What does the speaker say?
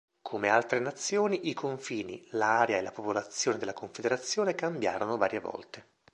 Come altre nazioni, i confini, l'area e la popolazione della Confederazione cambiarono varie volte.